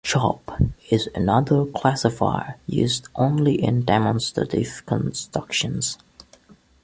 "Chop" is another classifier, used only in demonstrative constructions.